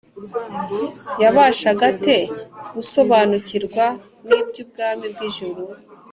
yabashaga ate gusobanukirwa n’iby’ubwami bw’ijuru?